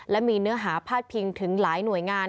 และมีเนื้อหาพาดพิงถึงหลายหน่วยงาน